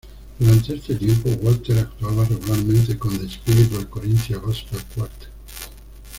Durante este tiempo, Walker actuaba regularmente con The Spiritual Corinthians Gospel Quartet.